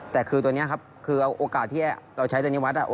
แต่คือตัวนี้ครับคือโอกาสที่เราใช้ตัวในวัด